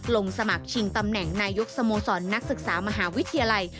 ลงสมัครชิงตำแหน่งนายกสโมสรนักศึกษามหาวิทยาลัย